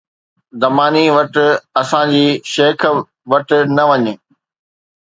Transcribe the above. ”دمانيءَ وٽ اسان جي شيخ وٽ نه وڃ